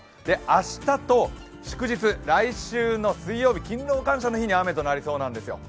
明日と祝日、来週の水曜日、勤労感謝の日に雨となりそうなんですよ。